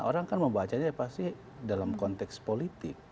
orang kan membacanya pasti dalam konteks politik